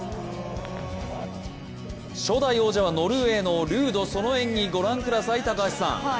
初代王者はノルウェーのルード、その演技ご覧ください。